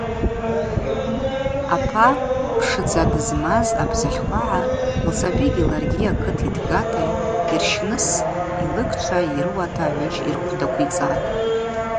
Апа пшдза дызмаз абзыльхвагӏа лсабигьи ларгьи акыт йтгата йырщныс йлыгчва йрыуата гӏвыджь йрыхъвдаквицӏатӏ.